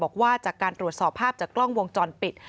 บอกว่าจากการตรวจสอบภาพจากกล้องวงจรปิด